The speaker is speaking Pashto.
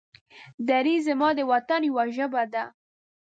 دري زما د وطن يوه ژبه ده.